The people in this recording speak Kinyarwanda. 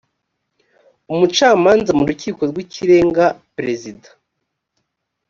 umucamanza mu rukiko rw ikirenga perezida